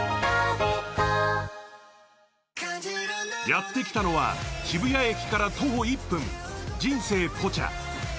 やってきたのは渋谷駅から徒歩１分、人生ポチャ。